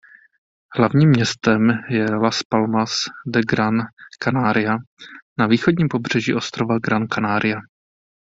Hlavním městem je Las Palmas de Gran Canaria na východním pobřeží ostrova Gran Canaria.